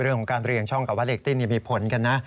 เรื่องของการเรียงช่องกับว่าเรตติ้นมีผลกันนะ